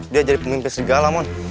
dia jadi pemimpin serigala mon